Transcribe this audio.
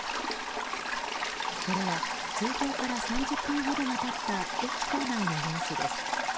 これは通報から３０分ほどが経った駅構内の様子です。